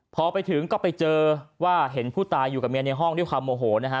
พอไปถึงก็ไปเจอว่าเห็นผู้ตายอยู่กับเมียในห้องด้วยความโมโหนะฮะ